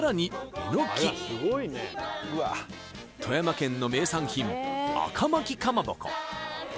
えのき富山県の名産品赤巻かまぼこ